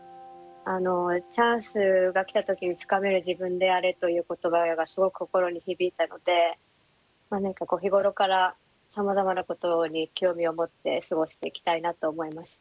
「チャンスが来たときにつかめる自分であれ」という言葉がすごく心に響いたので日頃からさまざまなことに興味を持って過ごしていきたいなと思いました。